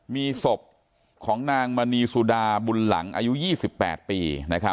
มีศพของนางมณีสุดาบุญหลังอายุ๒๘ปี